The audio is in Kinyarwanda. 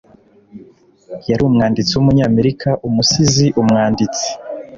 yari umwanditsi wumunyamerika umusizi umwanditsi